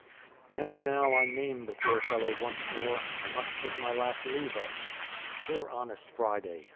And now I name the poor fellow once more, I must take my last leave of him. Poor honest Friday!